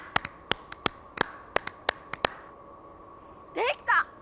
できた！